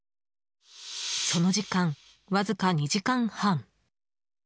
その時間、わずか２時間半。